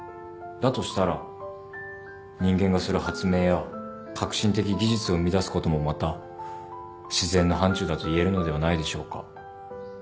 だとしたら人間がする発明や革新的技術を生み出すこともまた自然の範ちゅうだと言えるのではないでしょうか。